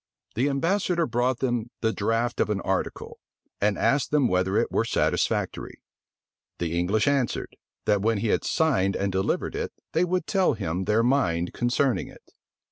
The ambassador brought them the draught of an article, and asked them whether it were satisfactory: the English answered, that when he had signed and delivered it, they would tell him their mind concerning it.